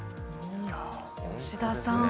吉田さん